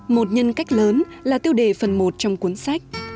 một nhân cách lớn là tiêu đề phần một trong cuốn sách